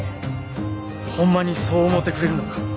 ほんまにそう思うてくれるのか？